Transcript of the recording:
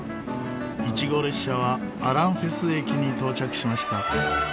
イチゴ列車はアランフェス駅に到着しました。